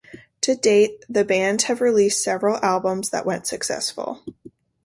To date, the band have released several albums that went successful.